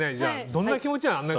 どんな気持ちなの？